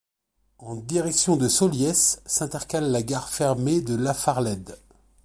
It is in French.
En direction de Solliès, s'intercale la gare fermée de La Farlède.